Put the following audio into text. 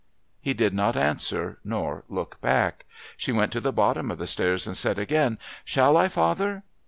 He did not answer nor look back. She went to the bottom of the stairs and said again: "Shall I, father?"